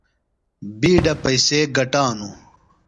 بِیڈہ پئیسے گٹانوۡ۔